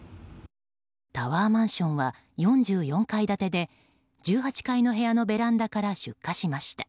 タワーマンションは４４階建てで１８階の部屋のベランダから出火しました。